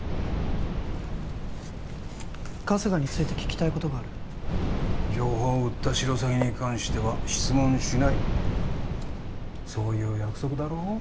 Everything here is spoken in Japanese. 春日について聞きたいことがある情報を売ったシロサギに関しては質問しないそういう約束だろ？